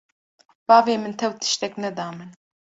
bavê min tew tiştek ne da min